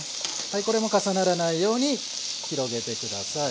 これも重ならないように広げて下さい。